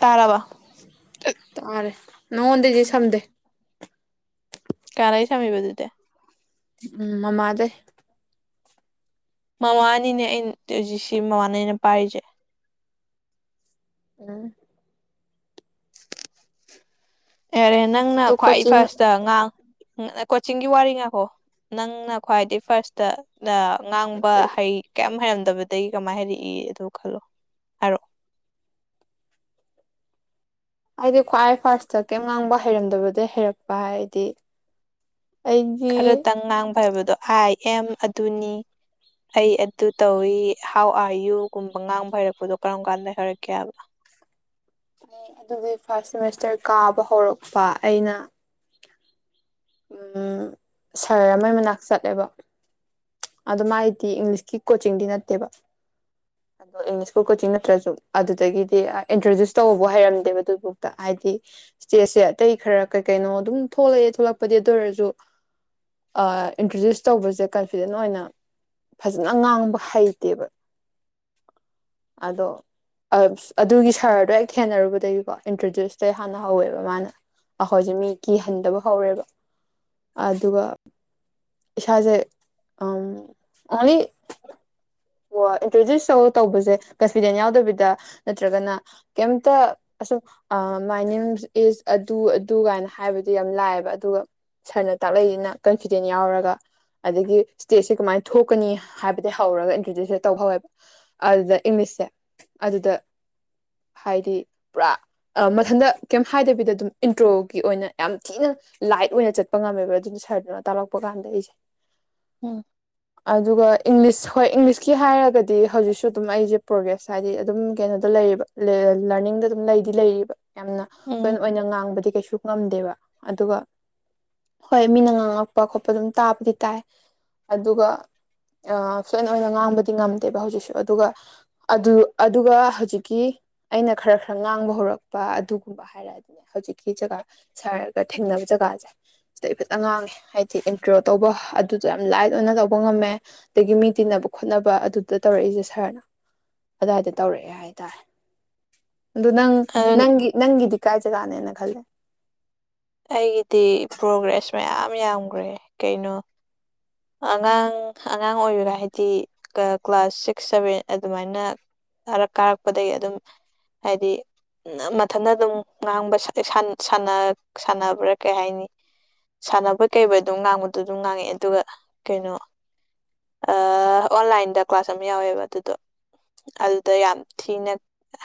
ꯇꯥꯔꯕ ꯇꯥꯔꯦ ꯅꯣꯡꯉꯣꯟꯗꯩꯗꯤ ꯁꯝꯗꯦ ꯀꯅꯥꯗꯩꯩ ꯁꯝꯃꯤꯕꯥ ꯑꯗꯨꯗꯤ ꯎꯝ ꯃꯃꯥ ꯗꯩ ꯃꯃꯥꯅꯤꯅꯦ ꯑꯩꯅꯖꯤꯛꯁꯤ ꯃꯃꯥꯅꯤꯅꯦ ꯄꯥꯏꯔꯤꯁꯦ ꯎꯝ ꯑꯦꯔꯦ ꯅꯪꯅ ꯑꯗꯣ ꯈ꯭ꯋꯥꯏ ꯀꯣꯆꯤꯡ ꯐꯥꯔꯁꯇ ꯉꯥ ꯀꯣꯆꯤꯡꯒꯤ ꯋꯥꯔꯤ ꯉꯥꯏꯈꯣ ꯅꯪꯅ ꯈ꯭ꯋꯥꯏꯗꯩ ꯐꯥꯔꯁꯇ ꯉꯥꯡꯕ ꯍꯩ ꯀꯩꯝ ꯍꯩꯔꯝꯗꯕꯗꯒꯤ ꯀꯃꯥꯏꯅ ꯍꯥꯏꯔꯛꯏ ꯑꯗꯨ ꯈꯜꯂꯣ ꯍꯥꯏꯔꯛꯑꯣ ꯑꯩꯗꯤ ꯈ꯭ꯋꯥꯏ ꯐꯥꯔꯁꯇ ꯀꯩꯝ ꯉꯥꯡꯕ ꯍꯩꯔꯝꯗꯕꯗꯒꯤ ꯍꯩꯔꯛꯄ ꯍꯥꯏꯗꯤ ꯑꯩꯒꯤ ꯈꯔꯇꯪ ꯉꯥꯡꯕ ꯍꯩꯕꯗꯣ ꯑꯥꯏ ꯑꯦꯝ ꯑꯗꯨꯅꯤ ꯑꯩ ꯑꯗꯨ ꯇꯧꯏ ꯍꯥꯎ ꯑꯥꯔ ꯌꯨꯒꯨꯝꯕ ꯉꯥꯡꯕ ꯍꯩꯔꯛꯄꯗꯣ ꯀꯔꯝ ꯀꯥꯟꯗ ꯍꯥꯏꯔꯛꯀꯦ ꯍꯥꯏꯕ ꯑꯗꯨꯒꯤ ꯐꯥꯔꯁ ꯁꯦꯃꯤꯁꯇꯔ ꯀꯥꯕ ꯍꯧꯔꯛꯄ ꯑꯩꯅ ꯎꯝ ꯁꯍꯔ ꯑꯃꯒꯤ ꯃꯅꯥꯛ ꯆꯠꯂꯦꯕ ꯑꯗꯣ ꯃꯥꯥꯏꯗꯤ ꯏꯪꯂꯤꯁꯀꯤ ꯀꯣꯆꯤꯡꯗꯤ ꯅꯠꯇꯦꯕ ꯗ ꯑꯗꯣ ꯏꯪꯂꯤꯁꯀꯨꯜ ꯀꯣꯆꯤꯡ ꯅꯠꯇ꯭ꯔꯁꯨ ꯑꯗꯨꯗꯒꯤꯗꯤ ꯏꯟꯇ꯭ꯔꯣꯗ꯭ꯌꯨꯁ ꯇꯧꯕꯕꯨ ꯍꯥꯏꯔꯝꯗꯦꯕ ꯑꯗꯨꯕꯨꯥꯎꯗ ꯍꯥꯏꯗꯤ ꯏꯁꯇꯦꯖꯁꯦ ꯑꯇꯩ ꯈꯔ ꯀꯩ ꯀꯩꯅꯣ ꯑꯗꯨꯝ ꯊꯣꯛꯂꯛꯑꯦ ꯊꯣꯛꯂꯛꯄꯗꯤ ꯑꯗꯨ ꯑꯣꯏꯔꯁꯨ ꯑ ꯏꯟꯇ꯭ꯔꯗ꯭ꯌꯨꯁ ꯇꯧꯕꯁꯦ ꯀꯝ ꯐꯤꯖꯦꯟ ꯑꯣꯏꯅ ꯐꯖꯅ ꯉꯥꯡꯕ ꯍꯩꯇꯦꯕ ꯑꯗꯣ ꯑꯁ ꯑꯗꯨꯒꯤ ꯁꯔꯗꯣ ꯍꯦꯛ ꯊꯦꯡꯅꯔꯨꯕꯗꯒꯤꯀꯣ ꯏꯟꯇ꯭ꯔꯗ꯭ꯌꯨꯁꯇꯩ ꯍꯥꯟꯅ ꯍꯧꯋꯦꯕ ꯃꯥꯅ ꯑꯩꯈꯣꯏꯖꯦ ꯃꯤ ꯀꯤꯍꯟꯗꯕ ꯍꯧꯔꯦꯕ ꯑꯗꯨꯒ ꯏꯁꯥꯖꯦ ꯎꯝ ꯑꫭꯡꯂꯤ ꯑꯣ ꯏꯟꯇ꯭ꯔꯣꯗ꯭ꯌꯨꯁ ꯇꯧ ꯇꯧꯕꯁꯦ ꯀꯟꯐꯤꯗꯦꯟ ꯌꯥꯎꯗꯕꯤꯗ ꯅꯠꯇ꯭ꯔꯒꯅ ꯀꯦꯝꯇ ꯑꯁ ꯑ ꯃꯥꯏ ꯅꯦꯝ ꯏꯁ ꯑꯗꯨ ꯑꯗꯨ ꯀꯥꯏꯅ ꯍꯥꯏꯕꯗꯨ ꯌꯥꯝ ꯂꯥꯛꯑꯦꯕ ꯑꯗꯨꯒ ꯁꯥꯔꯅ ꯇꯥꯛꯂꯛꯏꯁꯤꯅ ꯀꯟꯐꯤꯗꯦꯟ ꯌꯥꯎꯔꯒ ꯑꯗꯒꯤ ꯁ꯭ꯇꯦꯖꯁꯤ ꯀꯃꯥꯏꯅ ꯊꯣꯛꯀꯅꯤ ꯍꯥꯏꯕꯗꯤ ꯍꯧꯔꯒ ꯑꯗꯨꯗꯁꯨꯗ ꯇꯧꯍꯧꯋꯦꯕ ꯑꯗꯨꯗ ꯏꯪꯂꯤꯁꯁꯦ ꯑꯗꯨꯗ ꯍꯥꯏꯗꯤ ꯄꯨꯔꯥ ꯑ ꯃꯊꯟꯗ ꯀꯩꯝ ꯍꯥꯏꯗꯕꯤꯗ ꯑꯗꯨꯝ ꯏꯟꯇ꯭ꯔꯣꯒꯤ ꯑꯣꯏꯅ ꯌꯥꯝ ꯊꯤꯅ ꯂꯥꯏꯠ ꯑꯣꯏꯅ ꯆꯠꯄ ꯉꯝꯃꯦꯕ ꯑꯗꯨꯏ ꯁꯔꯗꯨꯅ ꯇꯥꯛꯂꯛꯄ ꯀꯥꯟꯗ ꯑꯩꯁꯦ ꯎꯝ ꯑꯗꯨꯒ ꯏꯪꯂꯤꯁ ꯍꯣꯏ ꯏꯪꯂꯤꯁ ꯁꯤ ꯍꯥꯏꯔꯒꯗꯤ ꯍꯧꯖꯤꯛꯁꯨ ꯑꯗꯨꯝ ꯑꯩꯖꯦ ꯄ꯭ꯔꯣꯒ꯭ꯔꯦꯁ ꯍꯥꯏꯗꯤ ꯑꯗꯨꯝ ꯀꯩꯅꯣꯗꯣ ꯂꯩꯌꯦꯕ ꯂ ꯂꯔꯅꯤꯡꯗ ꯑꯗꯨꯝ ꯂꯩ ꯁꯤ ꯂꯩꯔꯤꯕ ꯌꯥꯝꯅ ꯎꯝ ꯐꯔꯦꯟ ꯑꯣꯏꯅ ꯉꯥꯡꯕꯗꯤ ꯀꯩꯁꯨ ꯉꯝꯗꯦꯕ ꯑꯗꯨꯒ ꯍꯣꯏ ꯃꯤꯅ ꯉꯥꯡꯉꯛꯄ ꯈꯣꯠꯄ ꯑꯗꯨꯝ ꯇꯥꯕꯗꯤ ꯇꯥꯏ ꯑꯗꯨꯒ ꯑ ꯐ꯭ꯂꯨꯦꯟ ꯑꯣꯏꯅ ꯉꯥꯡꯕꯗꯤ ꯉꯝꯗꯦꯕ ꯍꯧꯖꯤꯛꯁꯨ ꯑꯗꯨꯒ ꯑꯗꯨ ꯑꯗꯨꯒ ꯍꯧꯖꯤꯛꯀꯤ ꯑꯩꯅ ꯈꯔ ꯈꯔ ꯉꯥꯡꯕ ꯍꯧꯔꯛꯄ ꯑꯗꯨꯒꯨꯝꯕ ꯍꯥꯏꯔ ꯗꯥꯏꯗꯅꯦ ꯍꯧꯖꯤꯛꯀꯤ ꯖꯒꯥ ꯁꯥꯔꯒ ꯊꯦꯡꯅꯕ ꯖꯒꯥꯖꯦ ꯁꯤꯗꯩ ꯈꯤꯇꯪ ꯉꯥꯡꯉꯦ ꯍꯥꯏꯗꯤ ꯏꯟꯇꯔꫭ ꯇꯧꯕ ꯑꯗꯨꯗꯣ ꯌꯥꯝ ꯂꯥꯏꯠ ꯑꯣꯏꯅ ꯂꯧꯕ ꯉꯝꯃꯦ ꯑꯗꯒꯤ ꯃꯤ ꯇꯤꯟꯅ ꯈꯣꯠꯅꯕ ꯑꯗꯨꯗ ꯇꯧꯔꯛꯏꯖꯦ ꯁꯥꯔꯅ ꯑꯗꯥꯏꯗ ꯇꯧꯔꯛꯑꯦ ꯍꯥꯏꯇꯥꯔꯦ ꯑꯗꯨ ꯅꯪ ꯑꯗꯨ ꯅꯪꯒꯤ ꯅꯪꯒꯤꯗꯤ ꯀꯥꯏ ꯖꯒꯥꯅꯦꯅ ꯈꯜꯂꯦ ꯑꯩꯒꯤꯗꯤ ꯄ꯭ꯔꯣꯒ꯭ꯔꯦꯁ ꯃꯌꯥꯝ ꯌꯥꯝꯒ꯭ꯔꯦꯍꯦ ꯀꯩꯅꯣ ꯑꯉꯥꯡ ꯑꯉꯥꯡ ꯑꯣꯏꯔꯤꯉꯩ ꯍꯥꯏꯗꯤ ꯀ꯭ꯂꯥꯁ ꯁꯤꯛꯁ ꯁꯚꯦꯟ ꯑꯗꯨꯃꯥꯏꯅ ꯀꯔꯛ ꯀꯥꯔꯛꯄꯗꯒꯤ ꯑꯗꯨꯝ ꯍꯥꯏꯗꯤ ꯅꯃꯊꯟꯗ ꯑꯗꯨꯝ ꯉꯥꯡꯕ ꯁꯥ ꯁꯥꯟ ꯁꯟꯅꯥ ꯁꯥꯟꯅꯕ꯭ꯔꯥ ꯀꯩ ꯍꯥꯏꯅꯤ ꯁꯥꯟꯅꯕ ꯀꯩꯕꫭꯏ ꯑꯗꯨꯝ ꯉꯥꯡꯕꯗꯣ ꯑꯗꯨꯝ ꯉꯥꯡꯉꯛꯑꯦ ꯑꯗꯨꯒ ꯀꯩꯅꯣ ꯑꯥ ꯑꯣꯟꯂꯥꯏꯟꯗ ꯀ꯭ꯂꯥꯁ ꯑꯃ ꯌꯥꯎꯋꯦꯕ ꯑꯗꯨꯗꯣ ꯑꯗꯨꯗ ꯌꯥꯝ ꯊꯤꯅ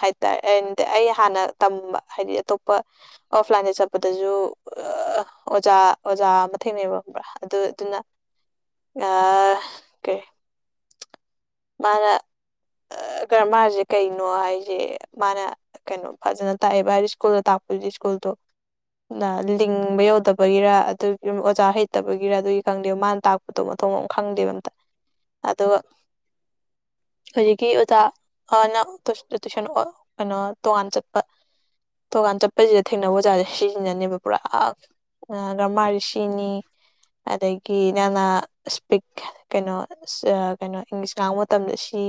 ꯍꯥꯏꯇꯥꯔꯦ ꯑꯩꯟ ꯑꯩ ꯍꯥꯟꯅ ꯇꯝꯕ ꯍꯥꯏꯗꯤ ꯑꯇꯣꯞꯄ ꯑꯣꯐꯂꯥꯏꯟꯗ ꯆꯠꯄꯗꯖꯨ ꯑ ꯑꯣꯖꯥ ꯑꯣꯖꯥ ꯑꯃ ꯊꯦꯡꯅꯩꯕ ꯈꯪꯕ꯭ꯔ ꯑꯗꯨ ꯑꯗꯨꯅ ꯑꯥ ꯀꯩ ꯃꯥꯅ ꯑ ꯒꯔꯃꯥꯔꯖꯦ ꯍꯥꯏꯖꯦ ꯃꯥꯅ ꯀꯩꯅꯣ ꯐꯖꯅ ꯇꯥꯛ ꯑꯦꯕ ꯍꯥꯏꯗꯤ ꯏꯁ꯭ꯀꯨꯜꯗ ꯇꯥꯛꯄꯗꯤ ꯏꯁ꯭ꯀꯨꯜꯗꫭ ꯅ ꯂꯤꯡꯕ ꯌꯧꯗꯕꯒꯤꯔ ꯑꯗꯨꯒꯤ ꯑꯣꯖꯥ ꯍꯩꯇꯕꯒꯤꯔ ꯑꯗꯨꯒꯤ ꯈꯪꯗꯦ ꯃꯥꯅ ꯇꯥꯛ ꯃꯊꫭꯡ ꯃꯊꫭꯡ ꯃꯔꯝ ꯈꯪꯗꯦꯕ ꯑꯝꯇ ꯑꯗꯨꯒ ꯀꯤ ꯑꯣꯖꯥ ꯅ ꯇꯨ ꯇꯨꯏꯁꯟ ꯑꫭ ꯀꯩꯅꯣ ꯇꯣꯉꯥꯟ ꯆꯠꯄ ꯇꯣꯉꯥꯟ ꯆꯠꯄꯖꯤꯗ ꯊꯦꯡꯅꯕ ꯑꯣꯖꯥꯖꯦ ꯁꯤꯖꯤꯅꯅꯦꯕ ꯄꯨꯔꯥ ꯑ ꯒꯔꯃꯔꯖꯦ ꯁꯤꯅꯤ ꯑꯗꯒꯤ ꯅꯪꯅ ꯏꯁꯄꯤꯠ ꯀꯩꯅꯣ ꯀꯩꯅꯣ ꯏꯪꯂꯤꯁ ꯉꯥꯡꯕ ꯇꯝꯗ ꯁꯤ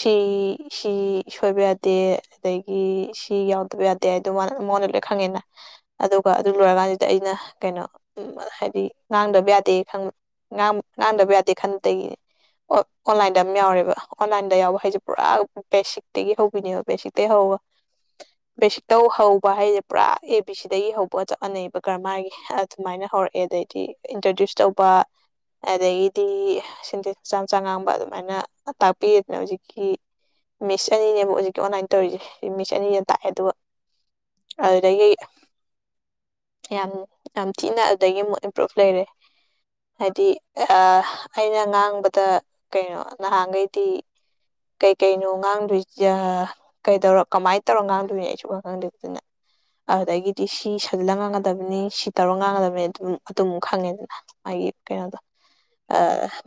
ꯁꯤ ꯁꯤ ꯁꯣꯏꯕ ꯌꯥꯗꯦ ꯑꯗꯒꯤ ꯁꯤ ꯌꯥꯎꯗꯕ ꯌꯥ ꯗꯦ ꯑꯗꯨ ꯃꯉꯣꯟꯗ ꯃꯉꯣꯟꯗ ꯂꯣꯏ ꯈꯪꯉꯦꯗꯅ꯫ ꯑꯗꯨꯒ ꯑꯗꯨ ꯂꯣꯏꯔꯀꯥꯟꯁꯤꯗ ꯑꯩꯅ ꯀꯩꯅꯣ ꯍꯥꯏꯗꯤ ꯉꯥꯡꯗꯕ ꯌꯥꯗꯦ ꯈꯪꯕ꯫ ꯉꯥꯡ ꯉꯥꯡꯗꯕ ꯌꯥꯗꯦ ꯈꯟꯕꯗꯒꯤ ꯑꯣꯟꯂꯥꯏꯟꯗ ꯑꯃ ꯌꯥꯎꯔꯦꯕ꯫ ꯑꯣꯟꯂꯥꯏꯟꯗ ꯌꯥꯎꯕ ꯍꯥꯏꯁꯦ ꯄꯨꯔꯥ ꯕꯦꯁꯤꯛꯇꯒꯤ ꯍꯧꯕꯤꯅꯦꯕ ꯕꯦꯁꯤꯇꯩ ꯍꯧꯕ꯫ ꯕꯦꯁꯤꯛꯇꯧ ꯍꯧꯕ ꯍꯥꯏꯁꯦ ꯄꯨꯔꯥ ꯑꯦ ꯕꯤ ꯁꯤꯗꯒꯤ ꯍꯧꯕꯒ ꯆꯞ ꯃꯥꯟꯅꯩꯑꯕ ꯒ꯭ꯔꯃꯥꫪꯒꯤ ꯑꯗꯨꯃꯥꯏꯅ ꯍꯧꯔꯛꯑꯦ ꯑꯗꯩꯗꯤ ꯏꯟꯇ꯭ꯔꯗ꯭ꯌꯨꯁ ꯇꯧꯕ ꯑꯗꯒꯤꯗꯤ ꯁꯦꯟꯇꯦꯟꯁ ꯃꯆꯥ ꯃꯆꯥ ꯉꯥꯡꯕ ꯑꯗꯨꯃꯥꯏꯅ ꯇꯥꯛ ꯄꯤꯗꯅ ꯍꯧꯖꯤꯛꯀꯤ ꯃꯤꯁ ꯑꯅꯤꯅꯦꯕ ꯍꯧꯖꯤꯛꯀꯤ ꯑꯣꯟꯂꯥꯏꯟ ꯇꯧꯔꯤꯁꯦ ꯁꯤ ꯃꯤꯁ ꯑꯅꯤꯅꯦ ꯇꯥꯛꯑꯦ ꯑꯗꯨꯒ꯫ ꯑꯗꯨꯗꯒꯤ ꯌꯥꯝ ꯌꯥꯝ ꯊꯤꯅ ꯑꯗꯩꯒꯤ ꯑꯃꯨꯛ ꯏꯝꯄ꯭ꯔꯨꯨꯞ ꯂꯩꯔꯦ ꯍꯥꯏꯗꯤ ꯑꯩꯅ ꯉꯥꯡꯕꯗ ꯀꯩꯅꯣ ꯅꯍꯥꯟꯒꯩꯗꯤ ꯀꯩ ꯀꯩꯅꯣ ꯉꯥꯡꯗꯣꯏꯖꯦ ꯍꯥꯏꯔ ꯀꯩꯗꯧꯔ ꯀꯃꯥꯏ ꯇꯧꯔ ꯉꯥꯡꯗꯣꯏꯅꯣ ꯑꯩ ꯁꯨꯡꯈꯪ ꯈꯪꯗꯦ ꯑꯗꯨꯅ ꯑꯗꯨꯗꯒꯤꯗꯤ ꯁꯤ ꯁꯥꯜꯂꯒ ꯉꯥꯡꯒꯗꯕꯅꯤ ꯁꯤ ꯇꯧꯔ ꯉꯥꯡꯒꯗꯕꯅꯤ ꯑꯗꯨ ꯑꯗꯨꯃꯨꯛ ꯈꯪꯉꯦꯗꯅ ꯃꯥꯒꯤ ꯀꯩꯅꯣꯗꯣ ꯑ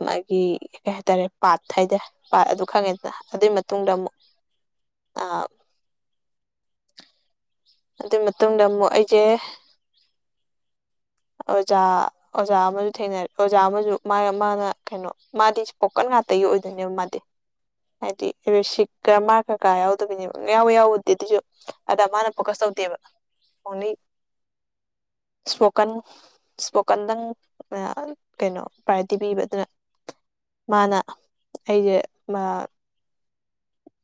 ꯃꯥꯒꯤ ꯀꯩ ꯍꯥꯏꯇꯥꯔꯦ ꯄꯥꯠ ꯊꯩꯗꯦ ꯄꯥꯠ ꯑꯗꯨ ꯈꯪꯉꯦꯗꯅ ꯑꯗꯨꯏ ꯃꯇꯨꯡꯗ ꯑꯃꯨꯛ ꯑ ꯑꯗꯨꯒꯤ ꯃꯇꯨꯡꯗ ꯑꯃꯨꯛ ꯑꯩꯁꯦ꯫ ꯑꯣꯖꯥ ꯑꯣꯖꯥ ꯑꯃꯁꯨ ꯊꯦꯡꯅꯔꯦ ꯑꯣꯖꯥ ꯑꯃꯁꯨ ꯃꯥꯅ ꯃꯥꯅ ꯀꯩꯅꯣ꯫ ꯃꯥꯗꯤ ꯏꯁꯄꯣꯛꯀꯟ ꯉꯥꯛꯇꯒꯤ ꯑꯣꯏꯗꯣꯏꯅꯦꯕ ꯃꯥꯗꯤ꯫ ꯍꯥꯏꯗꯤ ꯔꯦꯁꯤꯛ ꯒ꯭ꯔꯃꯥꫪ ꯀꯩ ꯀꯥ ꯌꯥꯎꯗꯕꯅꯦꯕ ꯌꯥꯎꯋꯦ ꯌꯥꯎꯕꯨꯗꯤ ꯗꯗꯨꯏꯖꯨ ꯑꯗ ꯃꯥꯅ ꯐꯣꯀꯁ ꯇꯧꯗꯦꯕ ꯑꯣꯡꯂꯤ ꯏꯁꯄꯣꯛ ꯀꯟ ꯏꯁ꯭ꯄꯣꯀꯟꯗꯪ ꯑꯥ ꯀꯩꯅꯣ ꯄ꯭ꯔꯥꯏꯌꯣꯔꯤꯇꯤ ꯄꯤꯕ ꯑꯗꯨꯅ ꯃꯥꯅ ꯑꯩꯁꯦ ꯑ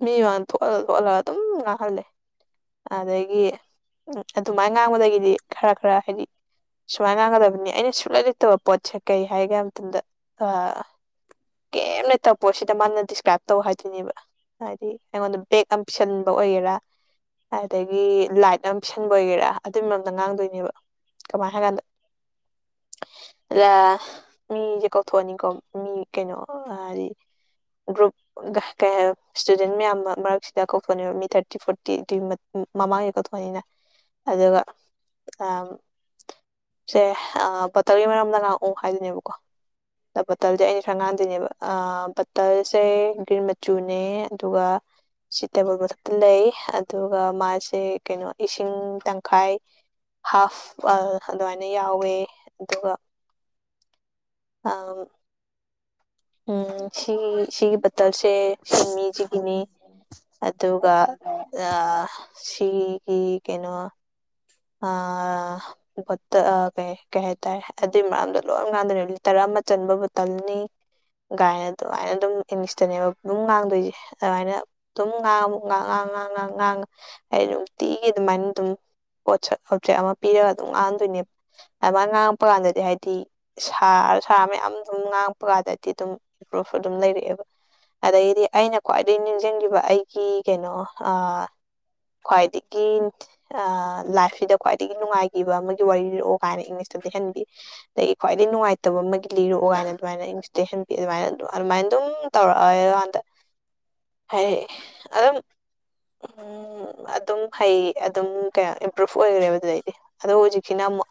ꯃꯤ ꯃꯥꯡꯗ ꯊꯣꯛꯍꯜꯂ ꯊꯣꯛꯍꯂꯒ ꯑꯗꯨꯝ ꯉꯥꯡꯍꯜꯂꯦ꯫ ꯑꯗꯒꯤ ꯑꯗꯨꯃꯥꯏꯅ ꯉꯥꯡꯕꯗꯒꯤꯗꯤ ꯈꯔ ꯈꯔ ꯍꯥꯏꯗꯤ꯫ ꯁꯨꯃꯥꯏꯅ ꯉꯥꯡꯒꯗꯕꯅꯤ ꯑꯩꯅ ꯁꯨꯠꯂꯩ ꯂꯩꯇꯕ ꯄꯣꯠꯁꯦ ꯀꯩ ꯍꯥꯏꯒꯦ ꯍꯥꯏꯕ ꯃꯇꯝꯗ ꯑ ꯀꯩꯝ ꯂꯩ ꯇꯛꯄꯣ ꯁꯤꯗ ꯃꯥꯅ ꯗꯤꯁꯀ꯭ꯔꯥꯏꯞ ꯇꯧ ꯍꯥꯏꯗꯣꯏꯅꯦꯕ꯫ ꯍꯥꯏꯗꯤ ꯑꯩꯉꯣꯟꯗ ꯕꯦꯛ ꯑꯃ ꯄꯤꯁꯟꯕ ꯑꯣꯏꯒꯦꯔ ꯑꯗꯒꯤ ꯂꯥꯏꯠ ꯑꯃ ꯁꯤꯟꯕ ꯑꯣꯏꯒꯦꯔꯥ ꯑꯗꯨꯒꯤ ꯑꯝꯗ ꯉꯥꯡꯗꯣꯏꯅꯦꯕ꯫ ꯀꯃꯥꯏ ꯍꯥꯏꯀꯥꯟꯗ ꯂ ꯃꯤꯁꯦ ꯀꯧꯊꯣꯛꯑꯅꯤꯀꯣ ꯃꯤ ꯀꯩꯅꯣ ꯍꯥꯏꯗꯤ ꯒ꯭ꯔꯨꯞ ꯀꯩ ꯍꯥꯏ ꯏꯁ꯭ꯇꯨꯗꯦꯟ ꯃꯌꯥꯝ ꯃꯔꯛꯁꯤꯗ ꯀꯧꯊꯣꯛꯑꯅꯦꯕ ꯃꯤ ꯊꯥꫪꯇꯤ ꯐꯣꫪꯇꯤꯗꯨꯒꯤ ꯗꯨꯏ ꯃꯃꯥꯡꯗ ꯀꯧꯊꯣꯛꯑꯅꯤꯅ ꯑꯗꯨꯒ ꯑ ꯁꯦ ꯕꯇꫪꯒꯤ ꯃꯔꯝꯗ ꯉꯥꯉꯛꯑꯣ ꯍꯥꯏꯗꯨꯅꯦꯕꯀꯣ ꯕꯇꯜꯗꯤ ꯑꯩꯩꯅ ꯁꯥꯏ ꯉꯥꯟꯗꯣꯏꯅꯦꯕ ꯑ ꯕꯇꯜꯁꯦ ꯒ꯭ꯔꯤꯟ ꯃꯆꯨꯅꯦ ꯑꯗꯨꯒ ꯁꯤ ꯇꯦꯕꯜ ꯃꯊꯛꯇ ꯂꯩ ꯑꯗꯨꯒ ꯃꯥꯁꯦ ꯀꯩꯅꯣ ꯏꯁꯤꯡ ꯇꯪꯈꯥꯏ ꯍꯥꯐ ꯑ ꯑꯗꯨꯃꯥꯏꯅ ꯌꯥꯎꯋꯦ ꯑꯗꯨꯒ ꯑꯝ ꯎꯝ ꯁꯤ ꯁꯤꯒꯤ ꯕꯇꯜꯁꯦ ꯁꯤ ꯃꯤꯁꯤꯒꯤꯅꯤ꯫ ꯑꯗꯨꯒ ꯑ ꯁꯤꯒꯤ ꯀꯩꯅꯣ꯫ ꯑꯥ꯫ ꯕꯠꯇ ꯀꯩ ꯀꯩ ꯍꯥꯏꯇꯥꯔꯦ ꯑꯗꯨꯏ ꯃꯔꯝꯗꯣ ꯂꯣꯏ ꯉꯥꯡꯗꫭꯅꯦꯕ ꯂꯤꯇꫪ ꯑꯃ ꯆꯟꯕ ꯕꯇꯜꯅꯤ꯫ ꯒꯥꯏꯅ ꯑꯗꯨꯃꯥꯏꯅ ꯑꯗꯨꯝ ꯏꯪꯂꯤꯁꯇꯅꯦꯕ ꯑꯗꯨꯝ ꯉꯥꯡꯗꯣꯏꯁꯦ ꯑꯗꯨꯃꯥꯏꯅ꯫ ꯑꯗꯨꯝ ꯉꯥꯡꯕ ꯉꯥꯡ ꯉꯥꯡ ꯉꯥꯡ ꯉꯥꯡ ꯑꯩ ꯅꯨꯡꯇꯤꯒꯤ ꯑꯗꯨꯃꯥꯏꯅ ꯑꯗꯨꯝ꯫ ꯄꯣꯠꯁꯛ ꯑꯣꯞꯖꯦꯛ ꯑꯃ ꯄꯤꯔꯒ ꯑꯗꯨꯝ ꯉꯥꯡꯍꯟꯗꯣꯏꯅꯦꯕ ꯑꯗꯨꯃꯥꯏꯅ ꯉꯥꯡꯉꯛꯄ ꯀꯥꯟꯗꯗꯤ ꯍꯥꯏꯗꯤ ꯁꯥꯔ ꯁꯥꯔ ꯃꯌꯥꯝ ꯑꯗꯨꯝ ꯉꯥꯡꯉꯛꯄ ꯀꯥꯟꯗꯗꯤ ꯑꯗꯨꯝ ꯏꯝꯄ꯭ꯔꯨꯐꯁꯨ ꯑꯗꯨꯝ ꯂꯩꯔꯛꯑꯦꯕ ꯑꯗꯗꯒꯤꯗꯤ ꯑꯩꯅ ꯈ꯭ꯋꯥꯏꯗꯒꯤ ꯅꯤꯡꯁꯤꯡꯈꯤꯕ ꯑꯩꯒꯤ ꯀꯩꯅꯣ ꯈ꯭ꯋꯥꯏꯗꯒꯤ ꯂꯥꯏꯐꯁꯤꯗ ꯈ꯭ꯋꯥꯏꯗꯒꯤ ꯅꯨꯡꯉꯥꯏꯈꯤꯕ ꯑꯃꯒꯤ ꯋꯥꯔꯤꯔꯛꯑꯣ ꯀꯥꯏꯅ ꯏꯪꯂꯤꯁꯇꯗꯤ ꯂꯤꯍꯟꯕꯤ ꯑꯗꯒꯤ ꯈ꯭ꯋꯥꯏꯗꯒꯤ ꯅꯨꯡꯉꯥꯏꯇꯕ ꯑꯃꯒꯤ ꯂꯤꯔꯛꯑꯣ ꯀꯥꯏꯅ ꯑꯗꯨꯃꯥꯏꯅ ꯏꯟꯇꯦꯁꯟ ꯄꯤ ꯑꯗꯨꯃꯥꯏꯅ ꯑꯗꯨꯃꯥꯏꯅ ꯑꯗꯨꯝ ꯇꯧꯔꯛꯑꯦ ꯑꯗꯨ ꯀꯥꯟꯗ ꯍꯥꯏ ꯑꯗꯨꯝ ꯎ ꯑꯗꯨꯝ ꯍꯩ ꯑꯗꯨꯝ ꯀꯩꯅ ꯏꯝꯄ꯭ꯔꯨꯚ ꯑꯣꯏꯈ꯭ꯔꯦꯕ ꯑꯗꯨꯗꯩꯗꯤ ꯑꯗꯣ ꯍꯧꯖꯤꯛꯁꯤꯅ ꯑꯃꯨꯛ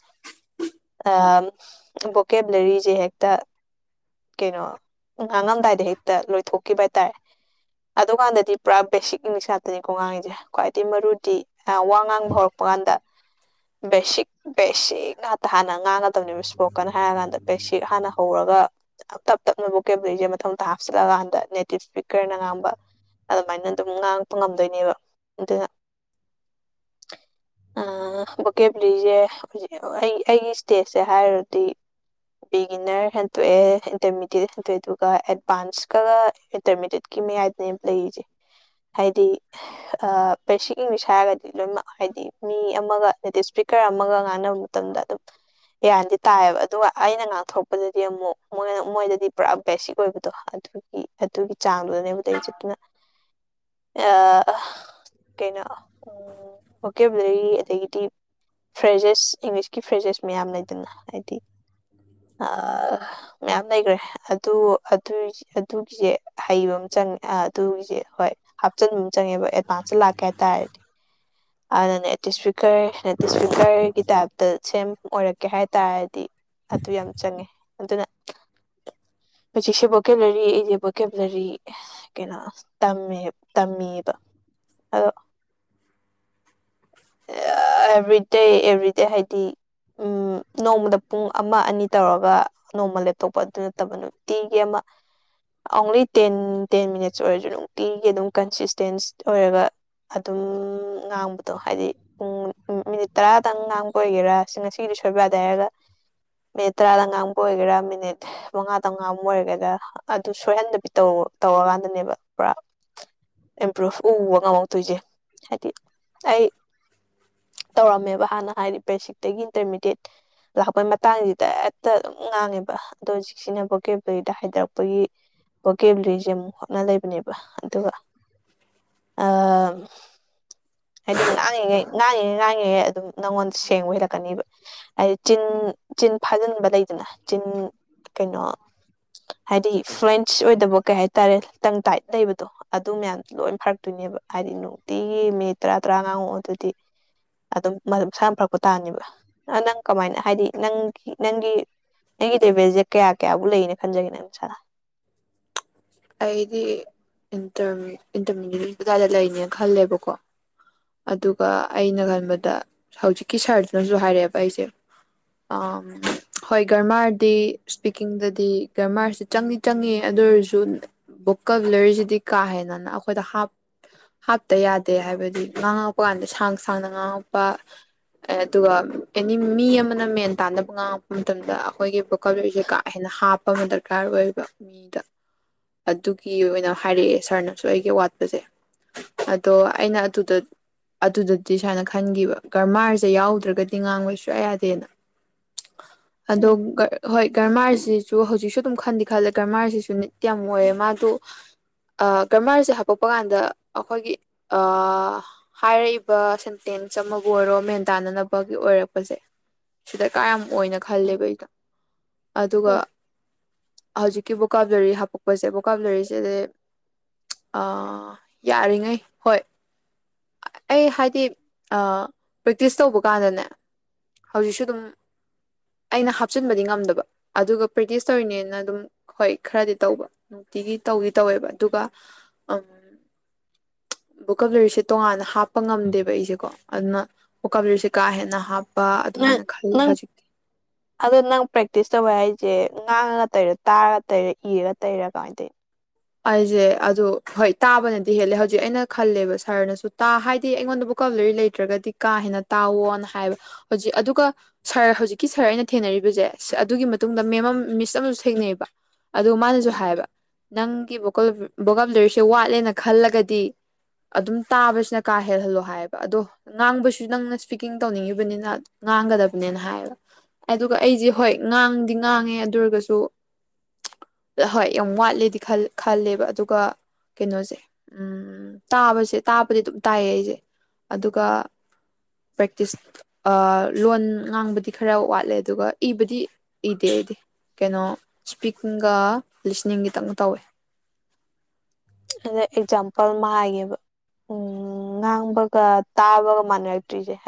ꯕꯣꯀꯦꯕꯂꯦꯔꯤꯁꯦ ꯍꯦꯛꯇ ꯀꯩꯅꯣ ꯉꯥꯡꯉꯝꯗꯥꯏꯗ ꯍꯦꯛꯇ ꯂꯣꯏꯊꯣꯛꯈꯤꯕ ꯍꯥꯏꯇꯥꯔꯦ ꯑꯗꯨꯀꯥꯟꯗꯗꯤ ꯄꯨꯔꯥ ꯕꯦꯁꯤꯛ ꯏꯪꯂꯤꯁ ꯉꯥꯛꯇꯅꯤꯀꯣ ꯉꯥꯡꯉꯁꯦ ꯈ꯭ꯋꯥꯏꯗꯒꯤ ꯃꯔꯨꯗꯤ ꯋꯥ ꯉꯥꯡꯕ ꯍꯧꯔꯛꯄ ꯀꯥꯟꯗ ꯕꯦꯁꯤꯛ ꯕꯦꯁꯤꯛ ꯉꯥꯛꯇ ꯍꯥꯟꯅ ꯉꯥꯡꯒꯗꯕꯅꯦꯕ ꯏꯁꯄꯣꯀꯟ ꯍꯥꯏꯔꯀꯥꯟꯗ ꯕꯦꯁꯤꯛ ꯍꯥꯟꯅ ꯍꯧꯔꯒ ꯇꯞ ꯇꯞꯅ ꯕꯨꯀꯦꯕꯨꯂꯔꯤꯁꯦ ꯃꯊꯪ ꯃꯊꯪ ꯍꯥꯞꯆꯤꯂꯀꯥꯟꯗ ꯅꯦꯇꯤꯞ ꯏꯁꯄꯤꯀꫪꯅ ꯉꯥꯡꯕ ꯑꯗꯨꯃꯥꯏꯅ ꯑꯗꯨꯝ ꯉꯥꯡꯉꯛꯄ ꯉꯝꯗꯣꯏꯅꯦꯕ ꯑꯗꯨꯅ ꯑ ꯕꫭꯀꯦꯕꫭꯂꯔꯤꯖꯦ ꯑꯩ ꯑꯩꯒꯤ ꯏꯁ꯭ꯇꯦꯖꯁꯦ ꯍꯥꯏꯔꯗꯤ ꯕꯤꯒꯤꯅꫪ ꯍꯦꯟꯇꯣꯛꯑꯦ ꯏꯟꯇꯔꯃꯤꯗꯦꯠꯍꯦꯟꯇꯦ ꯑꯗꯨꯒ ꯑꯦꯗꯚꯥꯟꯁꯀꯒ ꯏꯟꯇꯔꯃꯤꯗꯦꯠꯀꯤ ꯃꯌꯥꯏꯗꯅꯦ ꯂꯩꯔꯤꯁꯦ ꯍꯥꯏꯗꯤ ꯕꯦꯁꯤꯛ ꯏꯪꯂꯤꯁ ꯍꯥꯏꯔꯒꯗꯤ ꯂꯣꯏꯅꯃꯛ ꯍꯥꯏꯗꯤ ꯃꯤ ꯑꯃꯒ ꯃꯦꯗꯦꯠ ꯏꯁ꯭ꯄꯤꯀꫪ ꯑꯃꯒ ꯉꯥꯡꯅꯕ ꯃꯇꯝꯗ ꯑꯗꯨꯝ ꯒꯤꯌꯟꯗꯤ ꯇꯥꯏꯌꯦꯕ ꯑꯗꯨꯒ ꯑꯩꯅ ꯉꯥꯛꯊꯣꯛꯄꯗꯗꯤ ꯑꯃꯨꯛ ꯃꯣꯏꯅ ꯃꯣꯏꯗꯗꯤ ꯄꯨꯔꯥ ꯕꯦꯁꯤꯛ ꯑꯣꯏꯕꯗꯣ ꯑꯗꯨꯒꯤ ꯑꯗꯨꯒꯤ ꯆꯥꯡꯗꯨꯗꯅꯦꯕꯗꯩ ꯆꯠꯇꯨꯅ ꯀꯩꯅꯣ ꯎ ꯚꯣꯀꯦꯕꯂꯔꯤ ꯑꯗꯒꯤꯗꯤ ꯐ꯭ꯔꯦꯖꯦꯁ ꯏꯪꯂꯤꯁꯀꯤ ꯐ꯭ꯔꯦꯖꯦꯁ ꯃꯌꯥꯝ ꯂꯩꯗꯅ ꯍꯥꯏꯗꯤ ꯃꯌꯥꯝ ꯂꯩꯈ꯭ꯔꯦ ꯑꯗꯨ ꯑꯗꯨ ꯑꯗꯨꯒꯤꯁꯦ ꯍꯩꯕ ꯑꯃ ꯆꯪꯉꯦ ꯑꯗꯨꯒꯤꯁꯦ ꯍꯣꯏ ꯍꯥꯞꯆꯤꯟꯕ ꯑꯃ ꯆꯪꯉꯦꯕ ꯑꯦꯗꯚꯥꯟꯁꯇ ꯂꯥꯛꯀꯦ ꯍꯥꯏꯇꯥꯥꯔꯗꯤ ꯑꯗꯨꯅ ꯅ ꯇ ꯏꯁꯄꯤꯀꯔ ꯅ ꯇ ꯏꯁꯄꯤꯀꯔꯒꯤ ꯇꯥꯏꯞꯇ ꯁꯦꯝ ꯑꯣꯏꯔꯛꯀꯦ ꯍꯥꯏ ꯇꯔꯗꯤ ꯑꯗꯨ ꯌꯥꯝ ꯆꯪꯉꯦ ꯑꯗꯨꯅ ꯍꯧꯖꯤꯛꯁꯤ ꯕꯣꯛꯀꯦꯂ ꯕꯔꯤ ꯕꫭꯛꯀꯦꯂꯕꯔꯤ ꯀꯩꯅꯣ ꯇꯝꯃꯦ ꯇꯝꯃꯤꯕ ꯑꯗꯣ ꯑꯦꯚ꯭ꯔꯤꯗꯦ ꯑꯦꯚ꯭ꯔꯤꯗꯦ ꯍꯥꯏꯗꯤ ꯎꯝ ꯅꯣꯡꯃꯗ ꯄꯨꯡ ꯑꯃ ꯑꯅꯤ ꯇꯧꯔꯒ ꯅꯣꯡꯃ ꯂꯦꯞꯇꯣꯛꯄ ꯑꯗꯨ ꯅꯠꯇꯕ ꯅꯨꯡꯇꯤꯒꯤ ꯑꯃ ꯑꯣꯟꯂꯤ ꯇꯦꯟ ꯇꯦꯟ ꯃꯤꯅꯠꯁ ꯑꯣꯏꯔꯁꯨ ꯅꯨꯡꯇꯤꯒꯤ ꯑꯗꯨꯝ ꯀꯟꯁꯤꯁꯇꯦꯟꯁ ꯑꯣꯏꯔꯒ ꯑꯗꯨꯝ ꯉꯥꯡꯕꯗꯣ ꯍꯥꯏꯗꯤ ꯄꯨꯡ ꯃꯤꯅꯤꯠ ꯇꯔꯥꯗꯪ ꯉꯥꯡꯕ ꯑꯣꯏꯒꯦꯔꯥ ꯁꯤ ꯉꯁꯤꯗꯤ ꯁꯣꯏꯕꯗ ꯍꯥꯏꯔꯒ ꯃꯤꯅꯤꯠ ꯇꯔꯥꯗ ꯉꯥꯡꯕ ꯑꯣꯏꯒꯦꯔꯥ ꯃꯤꯅꯤꯠ ꯃꯉꯥ ꯇꯃꯉꯥ ꯑꯃ ꯑꯣꯏꯔꯒꯗ ꯑꯗꯨ ꯁꯣꯏꯍꯟꯗꯕꯤ ꯇꯧꯔꯀꯥꯟꯗꯅꯦꯕ ꯄꯨꯔꯥ ꯏꯝꯄ꯭ꯔꯨꯚ ꯎꯕ ꯉꯝꯃꯛꯇꯣꯏꯁꯦ ꯍꯥꯏꯗꯤ ꯑꯩ ꯇꯧꯔꯝꯃꯦꯕ ꯍꯥꯟꯅ ꯍꯥꯏꯗꯤ ꯄꯦꯁꯤꯛꯇꯒꯤ ꯏꯟꯇꯔꯃꯤꯗꯦꯠ ꯂꯥꯛꯄꯩ ꯃ ꯍꯛꯥꯡꯁꯤꯗ ꯍꯦꯛꯇ ꯑꯗꯨꯝ ꯉꯥꯡꯉꯦꯕ ꯑꯗꯣ ꯍꯧꯖꯤꯛꯁꯤꯟꯅꯕ ꯕꫭꯀꯦꯂꯕꯔꯤꯗ ꯍꯥꯏꯊꯔꯛꯄꯒꯤ ꯕꯣꯀꯦ ꯕꯂꯤꯁꯦ ꯑꯃꯨꯛ ꯍꯣꯠꯅ ꯂꯩꯕꯅꯦꯕ ꯑꯗꯨꯒ ꯑ ꯍꯥꯏꯗꯤ ꯉꯥꯡꯤꯉꯩ ꯉꯥꯡꯉꯤꯉꯦ ꯉꯥꯡꯉꯤꯦ ꯑꯗꯨꯝ ꯅꯪꯉꯣꯟꯗ ꯁꯦꯡꯕ ꯍꯜꯂꯛꯀꯅꯤꯕ ꯍꯥꯏꯗꯤ ꯆꯤꯟ ꯆꯤꯟ ꯐꯥꯖꯤꯟꯕ ꯂꯩꯗꯅ ꯆꯤꯟ ꯀꯩꯅꯣ ꯍꯥꯏꯗꯤ ꯐ꯭ꯔꯦꯟꯁ ꯑꯣꯏꯗꯕ ꯀꯩ ꯍꯥꯏꯇꯥꯔꯦ ꯇꯪ ꯇꯥꯏꯠ ꯂꯩꯕꯗꯣ ꯑꯗꯨ ꯃꯌꯥꯝꯗꯨ ꯂꯣꯏ ꯐꯔꯛꯇꯣꯏꯅꯦꯕ ꯍꯥꯏꯗꯤ ꯅꯨꯡꯇꯤꯒꯤ ꯃꯤ ꯇꯔꯥ ꯇꯔꯥ ꯉꯥꯡꯉꯛꯑꯣ ꯑꯗꯨꯗꯤ ꯑꯗꯨꯝꯝ ꯃꯁꯅ ꯐꯔꯛꯄ ꯇꯥꯅꯦꯕ ꯅꯪ ꯀꯃꯥꯏꯅ ꯍꯥꯏꯗꯤ ꯅꯪꯒꯤ ꯅꯪꯒꯤ ꯑꯩꯒꯤ ꯇꯦꯕꯦꯜꯁꯦ ꯀꯌꯥ ꯀꯌꯥꯕꯨ ꯂꯩꯅ ꯈꯟꯖꯒꯦ ꯅꯪ ꯅꯁꯥꯗ ꯑꯩꯗꯤ ꯏꯟꯇꯔꯃꯤꯗꯦꯠ ꯀꯥꯏꯗ ꯂꯩꯅꯦꯅ ꯈꯜꯂꯦꯕꯀꯣ ꯑꯗꯨꯒ ꯑꯩꯅ ꯈꯟꯕꯗ ꯍꯧꯖꯤꯛꯀꯤ ꯁꯥꯔꯖꯅꯁꯨ ꯍꯥꯏꯔꯛꯑꯦꯕ ꯑꯩꯁꯦ ꯍꯣꯏ ꯒꯔꯃꯥꯔꯗꯤ ꯁ꯭ꯄꯤꯀꯤꯡꯗꯗꯤ ꯒꯔꯃꯥꯔꯁꯤ ꯆꯪꯗꯤ ꯆꯪꯉ ꯑꯗꯨ ꯑꯣꯏꯔꯁꯨ ꯕꯨꯛ ꯀꯕꯂꯔꯁꯤꯗꯤ ꯀꯥꯍꯦꯅꯅ ꯑꯩꯈꯣꯏꯗ ꯍꯥꯞ ꯍꯥꯞꯇ ꯌꯥꯗꯦ ꯍꯥꯏꯕꯗꯤ ꯉꯥꯡꯉꯛꯄ ꯀꯥꯟꯗ ꯁꯥꯡ ꯁꯥꯡꯅ ꯉꯥꯡꯉꯛꯄ ꯑꯗꯨꯒ ꯑꯦꯅꯤ ꯃꯤ ꯑꯃꯅ ꯃꯦꯟ ꯇꯥꯟꯅꯕ ꯉꯥꯡꯉꯛꯄ ꯃꯇꯝꯗ ꯑꯩꯈꯣꯏꯒꯤ ꯀꯂꯏꯁꯦ ꯀꯥ ꯍꯦꯟꯅ ꯍꯥꯞꯄ ꯑꯃ ꯗꯔꯀꯥꯔ ꯑꯣꯏꯕ ꯃꯤꯗ ꯑꯗꯨꯒꯤ ꯑꯣꯏꯅ ꯍꯥꯏꯔꯛꯑꯦ ꯁꯥꯔꯅꯁꯨ ꯑꯩꯒꯤ ꯋꯥꯠꯄꯁꯦ ꯑꯗꯣ ꯑꯩꯅ ꯑꯗꯨꯗ ꯑꯗꯨꯗꯗꯤ ꯁꯨꯃꯥꯏꯅ ꯈꯟꯈꯤꯕ ꯒꯔꯃꯥꯔꯁꯦ ꯌꯥꯎꯗ꯭ꯔꯒꯗꯤ ꯉꯥꯡꯕ ꯁꯨꯡꯌꯥ ꯌꯥꯗꯦꯅ ꯑꯗꯣ ꯎꯝ ꯍꯣꯏ ꯒꯔꯃꯥꯔꯁꯤꯁꯨ ꯍꯧꯖꯤꯛꯁꯨ ꯑꯗꯨꯝ ꯈꯟꯗꯤ ꯈꯜꯂꯦ ꯒꯔꯃꯥꯔꯁꯤꯁꯨ ꯃꯣꯏꯃ ꯇ ꯒꯔꯃꯔꯁꯦ ꯍꯥꯄꯣꯛꯄ ꯀꯥꯟꯗ ꯑꯩꯈꯣꯏꯒꯤ ꯍꯥꯏꯔꯛꯏꯕ ꯁꯦꯟꯇꯦꯟꯁ ꯑꯃꯕꯨ ꯑꯣꯏꯔꯣ ꯃꯦꯟ ꯇꯥꯅꯅꯕꯒꯤ ꯑꯣꯏꯔꯛꯄꯁꯦ ꯁꯤꯗ ꯀ ꯌꯥꯝꯅ ꯈꯜꯂꯦꯕ ꯑꯩꯗ ꯑꯗꯨꯒ ꯎꯝ ꯍꯧꯖꯤꯛꯀꯤ ꯕꯣꯀꯥꯕꯂꯔꯤ ꯍꯥꯞꯄꯛꯄꯁꯦ ꯕꯣꯀꯥꯞꯂꯔꯤꯁꯤꯗꯤ ꯑ ꯌꯥꯔꯤꯉꯩ ꯍꯣꯏ ꯑꯩ ꯍꯥꯏꯗꯤ ꯄ꯭ꯔꯦꯛꯇꯤꯁ ꯇꯧꯕ ꯀꯥꯟꯗꯅꯦ ꯍꯧꯖꯤꯛꯁꯨ ꯑꯗꯨꯝ ꯑꯩꯅ ꯍꯥꯞꯆꯤꯟꯕꯗꯤ ꯉꯝꯗꯕ ꯑꯗꯨꯒ ꯄ꯭ꯔꯦꯛꯇꯤꯁ ꯇꯧꯔꯤꯅꯦꯅ ꯑꯗꯨꯝ ꯍꯣꯏ ꯈꯔꯗꯤ ꯇꯧꯕ ꯅꯨꯡꯇꯤꯒꯤ ꯇꯧꯗꯤ ꯇꯧꯋꯦꯕ ꯑꯗꯨꯒ ꯕꯨ ꯀꯕ꯭ꯂꯔꯤꯁꯦ ꯇꯣꯉꯥꯟꯅ ꯍꯥꯞꯄ ꯉꯝꯗꯦꯕ ꯑꯩꯁꯦꯀꯣ ꯑꯗꯨꯅ ꯑꯣꯀꯥ ꯕꯤꯁꯦ ꯀꯥ ꯍꯦꯟꯅ ꯍꯥꯞꯄ ꯑꯗꯨꯃꯥꯏꯅ ꯈꯜꯂꯤ ꯍꯧꯖꯤꯛꯇꯤ ꯑꯗꯨꯗ ꯅꯪ ꯄ꯭ꯔꯦꯛꯇꯤꯁ ꯇꯧꯕ ꯍꯥꯏꯁꯦ ꯉꯥꯡꯉꯒ ꯇꯩꯔ ꯇꯥꯔꯒ ꯇꯩꯔꯦ ꯏꯔꯒ ꯇꯩꯔꯥ ꯀꯃꯥꯏ ꯇꯧꯅꯣ ꯑꯩꯁꯦ ꯑꯗꯨ ꯍꯣꯏ ꯇꯥꯕꯅꯗꯤ ꯍꯦꯜꯂꯦ ꯍꯧꯖꯤꯛ ꯑꯩꯅ ꯈꯜꯂꯦꯕ ꯁꯥꯔꯅꯁꯨ ꯇꯥ ꯍꯥꯏꯗꯤ ꯑꯩꯉꯣꯟꯗꯕꯨ ꯀꯕꯂꯔꯤ ꯂꯩꯇ꯭ꯔꯒꯗꯤ ꯀꯥ ꯍꯦꯟꯅ ꯇꯥꯎꯋꯣꯅ ꯍꯥꯏꯕ ꯍꯧꯖꯤꯛ ꯑꯗꯨꯒ ꯁꯥꯔ ꯍꯧꯖꯤꯛꯀꯤ ꯁꯥꯔ ꯑꯩꯅ ꯊꯦꯡꯅꯔꯤꯕꯁꯦ ꯑꯗꯨꯒꯤ ꯃꯇꯨꯡꯗ ꯃꯦꯝ ꯃꯤꯁ ꯑꯃꯁꯨ ꯊꯦꯡꯅꯩꯕ ꯑꯗꯨ ꯃꯥꯅꯁꯨ ꯎꯝ ꯍꯥꯏꯕ ꯅꯪꯒꯤ ꯕꯣꯀꯝꯖꯔꯤꯁꯦ ꯋꯥꯠꯂꯦꯅ ꯈꯜꯂꯒꯗꯤ ꯑꯗꯨꯝ ꯇꯥꯕꯁꯤꯅ ꯀꯥ ꯍꯦꯜꯍꯜꯂꯣ ꯍꯥꯏꯕ ꯑꯗꯣ ꯉꯥꯡꯕꯁꯨ ꯅꯪꯅ ꯏꯁꯄꯤꯀꯤꯡ ꯇꯧꯅꯤꯡꯉꯤꯕꯅꯤꯅ ꯉꯥꯡꯒꯗꯕꯅꯦꯅ ꯍꯥꯏꯌꯦꯕ ꯑꯗꯨꯒ ꯑꯩꯁꯦ ꯍꯣꯏ ꯉꯥꯡꯗꯤ ꯉꯥꯡꯉꯦ ꯑꯗꯨ ꯑꯣꯏꯔꯒꯁꯨ ꯍꯣꯏ ꯌꯥꯝ ꯋꯥꯠꯂꯦꯗꯤ ꯈꯜꯂꯦꯕ ꯑꯗꯨꯒ ꯀꯩꯅꯣꯁꯦ ꯎꯝ ꯇꯥꯕꯁꯦ ꯇꯥꯕꯗꯤ ꯑꯗꯨꯝ ꯇꯥꯏꯌꯦ ꯑꯩꯁꯦ ꯑꯗꯨꯒ ꯄ꯭ꯔꯦꯛꯇꯤꯁ ꯂꯣꯟ ꯉꯥꯡꯕꯗꯤ ꯈꯔ ꯋꯥꯠꯂꯦ ꯑꯗꯨꯒ ꯏꯕꯗꯤ ꯏꯗꯦ ꯑꯩꯗꯤ ꯀꯩꯅꯣ ꯏꯁꯄꯤꯀꯤꯡꯒ ꯂꯤꯁꯅꯤꯡꯒꯤꯇꯪꯅ ꯇꯧꯋꯦ ꯑꯗ ꯑꯦꯛꯖꯥꯝꯄꯜ ꯑꯃ ꯍꯥꯏꯌꯦꯦꯕ ꯎꯝ ꯉꯥꯡꯕꯒ ꯇꯥꯕꯒ ꯃꯥꯟꯅꯔꯛꯇ꯭ꯔꯤꯁꯦ